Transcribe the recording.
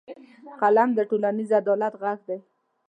قلم د ټولنیز عدالت غږ دی